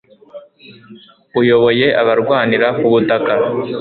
Uyoboye abarwanira ku butaka